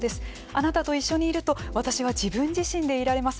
あなたと一緒にいると私は自分自身でいられます。